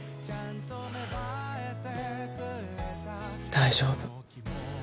大丈夫。